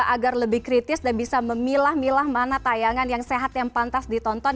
agar lebih kritis dan bisa memilah milah mana tayangan yang sehat yang pantas ditonton